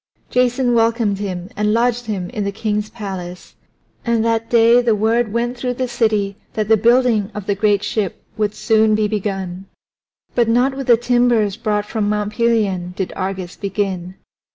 Jason welcomed him and lodged him in the king's palace, and that day the word went through the city that the building of the great ship would soon be begun. But not with the timbers brought from Mount Pelion did Argus begin.